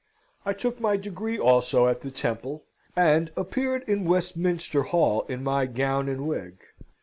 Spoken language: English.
I took my degree also at the Temple, and appeared in Westminster Hall in my gown and wig.